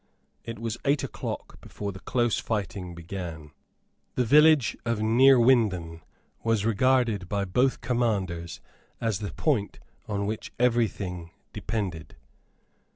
It was eight o'clock before the close fighting began. The village of Neerwinden was regarded by both commanders as the point on which every thing depended.